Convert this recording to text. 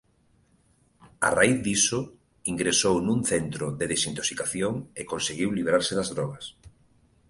A raíz diso ingresou nun centro de desintoxicación e conseguiu librarse das drogas.